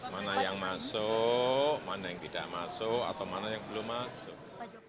mana yang masuk mana yang tidak masuk atau mana yang belum masuk